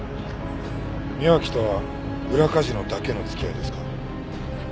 宮脇とは裏カジノだけの付き合いですか？